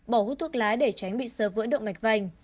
bỏ hút thuốc lá để tránh bị sơ vỡ động mạch vành